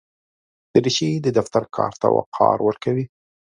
دریشي د دفتر کار ته وقار ورکوي.